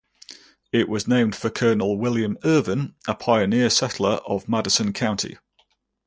It was named for Colonel William Irvine, a pioneer settler of Madison County.